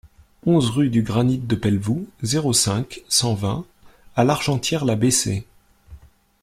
onze rue du Granit de Pelvoux, zéro cinq, cent vingt à L'Argentière-la-Bessée